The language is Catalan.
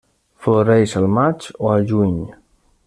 Floreix al maig o al juny.